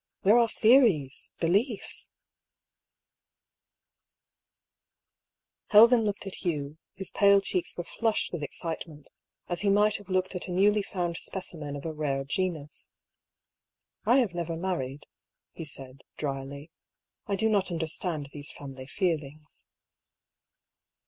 Where are theories, beliefs ?" Helven looked at Hugh, whose pale cheeks were flushed with excitement, as he might have looked at a newly found specimen of a rare genus. " I have never married," he said, dryly. " I do not understand these family feelings."